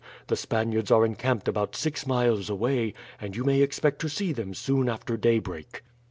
The Spaniards are encamped about six miles away, and you may expect to see them soon after daybreak."